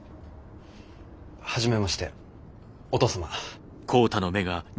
初めましてお父様。